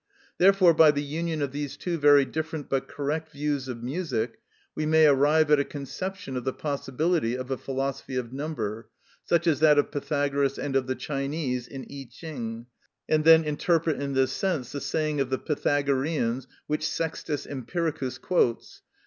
Therefore by the union of these two very different but correct views of music we may arrive at a conception of the possibility of a philosophy of number, such as that of Pythagoras and of the Chinese in Y King, and then interpret in this sense the saying of the Pythagoreans which Sextus Empiricus quotes (adv.